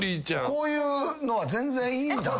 こういうのは全然いいんだ。